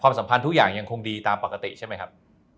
สัมพันธ์ทุกอย่างยังคงดีตามปกติใช่ไหมครับ